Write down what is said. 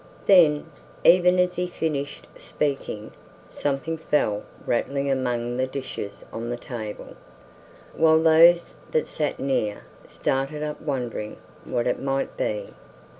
Then, even as he finished speaking, something fell rattling among the dishes on the table, while those that sat near started up wondering what it might be.